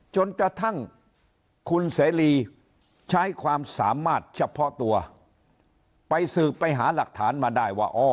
จนกระทั่งคุณเสรีใช้ความสามารถเฉพาะตัวไปสืบไปหาหลักฐานมาได้ว่า